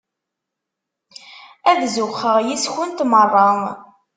Ad zuxxeɣ yess-kent merra.